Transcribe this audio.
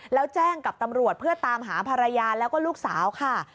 แล้วแจ้งกับตำรวจเพื่อตามหาภรรยาแล้วก็ลูกสาวค่ะ